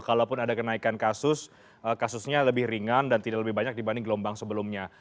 kalaupun ada kenaikan kasus kasusnya lebih ringan dan tidak lebih banyak dibanding gelombang sebelumnya